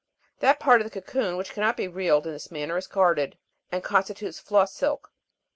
That part of the cocoon which cannot be reeled in this manner is carded, and constitutes floss silk.